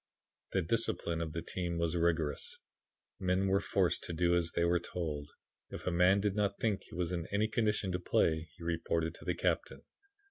"The discipline of the team was rigorous; men were forced to do as they were told. If a man did not think he was in any condition to play he reported to the captain.